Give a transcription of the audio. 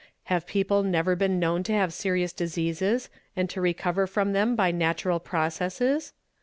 Have people never been known to have serious diseases, and to recover from them by natural processes?